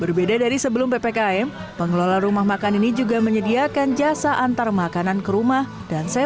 berbeda dari sebelum ppkm pengelola rumah makan ini juga menyediakan jasa antar makanan ke rumah